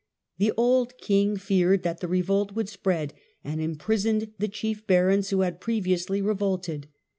ofii83. The old king feared that the revolt would spread, and imprisoned the chief barons who had pre viously revolted.